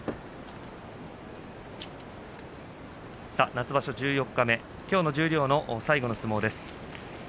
夏場所十四日目きょうの十両の最後の相撲です。